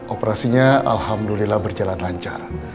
operasinya alhamdulillah berjalan lancar